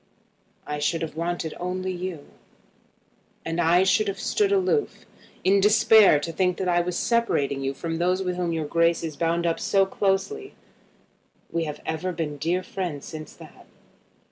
"I should have wanted only you." "And I should have stood aloof, in despair to think that I was separating you from those with whom your Grace is bound up so closely. We have ever been dear friends since that."